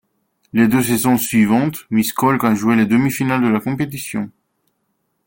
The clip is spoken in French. Les deux saisons suivantes, Miskolc a joué les demi-finales de la compétition.